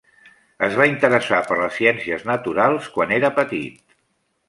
Es va interessar per les ciències naturals quan era petit.